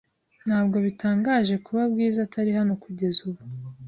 Ntabwo bitangaje kuba Bwiza atari hano kugeza ubu?